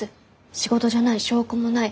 仕事じゃない証拠もない。